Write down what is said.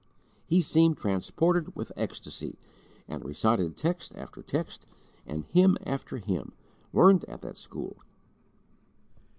He seemed transported with ecstasy, and recited text after text and hymn after hymn, learned at that school.